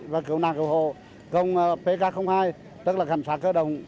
và cựu nàng cựu hồ công pk hai tức là cảnh sát cơ đồng